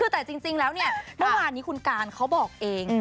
แต่จริงแล้วเมื่อวานนี้คุณการเขาบอกเอง